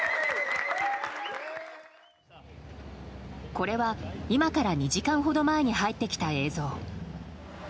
これは今から２時間ほど前に入ってきた映像。